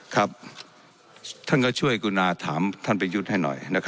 ครับท่านก็ช่วยกรุณาถามท่านประยุทธ์ให้หน่อย